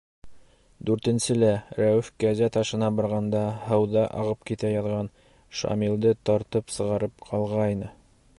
Дүртенселә Рәүеф Кәзә ташына барғанда һыуҙа ағып китә яҙған Шамилды тартып сығарып ҡалғайны.